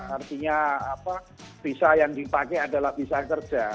artinya bisa yang dipakai adalah bisa kerja